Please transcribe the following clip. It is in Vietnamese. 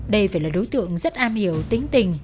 đây phải là đối tượng rất am hiểu tính tình